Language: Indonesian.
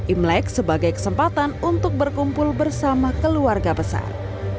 imlek sebagai kesempatan untuk berkumpul bersama keluarga besar